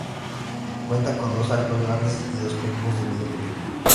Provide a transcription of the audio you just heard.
Cuenta con dos arcos grandes y dos pequeños de medio punto.